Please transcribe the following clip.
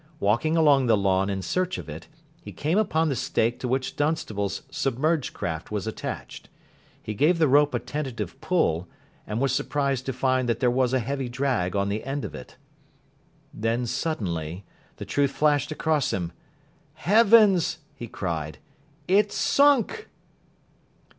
Walking along the lawn in search of it, he came upon the stake to which Dunstable's submerged craft was attached. He gave the rope a tentative pull, and was surprised to find that there was a heavy drag on the end of it. Then suddenly the truth flashed across him. "Heavens!" he cried, "it's sunk."